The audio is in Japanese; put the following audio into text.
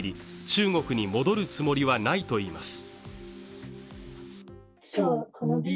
中国に戻るつもりはないといいます